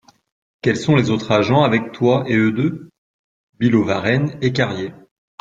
Quels sont les autres agents avec toi et eux deux ? Billaud-Varenne et Carrier.